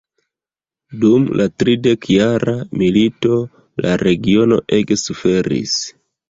Dum la tridekjara milito la regiono ege suferis.